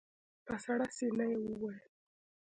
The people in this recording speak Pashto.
په سړه سينه يې وويل.